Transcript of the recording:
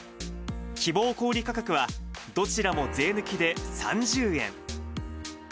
希望小売り価格は、どちらも税抜きで３０円。